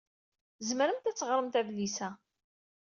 Tzemremt ad teɣṛemt adlis-a.